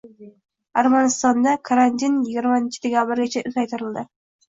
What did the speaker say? Armanistonda karantinyigirmadekabrgacha uzaytirildi